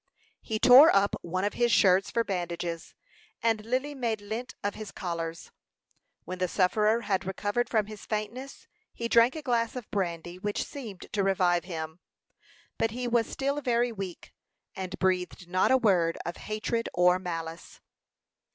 He tore up one of his shirts for bandages, and Lily made lint of of his collars. When the sufferer had recovered from his faintness he drank a glass of brandy, which seemed to revive him. But he was still very weak, and breathed not a word of hatred or malice.